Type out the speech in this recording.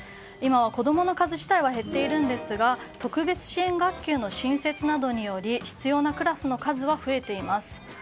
今は子供の数自体は減っていますが特別支援学級の新設などにより必要なクラスは増えています。